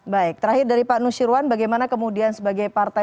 baik terakhir dari pak nusirwan bagaimana kemudian sebagai partai